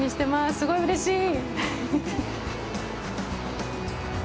すごいうれしい！